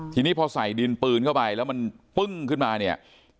ทีนี้พอใส่สีดินปืนเข้าไปมันต่าง